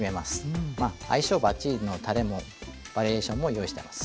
相性ばっちりのたれもバリエーションも用意してます。